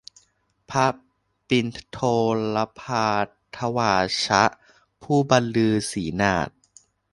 พระปิณโฑลภารทวาชะ ผู้บันลือสีหนาท